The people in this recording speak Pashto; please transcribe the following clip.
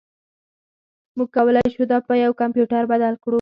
موږ کولی شو دا په یو کمپیوټر بدل کړو